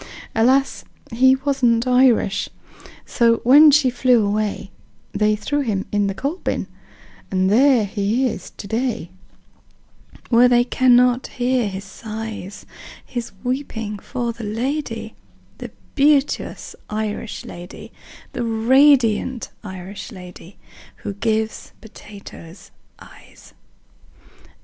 Alas, he wasn't Irish. So when she flew away, They threw him in the coal bin And there he is to day, Where they cannot hear his sighs His weeping for the lady, The beauteous Irish lady, The radiant Irish lady Who gives potatoes eyes."